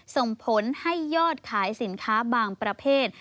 ส่งผลให้ยอดขายสินค้าบางประเภท